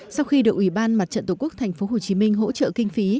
sau khi được ủy ban mặt trận tổ quốc tp hcm hỗ trợ kinh phí